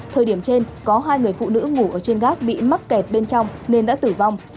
thời điểm trên có hai người phụ nữ ngủ ở trên gác bị mắc kẹt bên trong nên đã tử vong